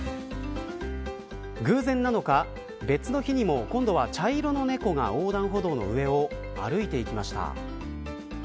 偶然なのか、別の日にも今度は茶色の猫が横断歩道の上を歩いていきました。